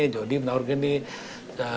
jody menawarkan begini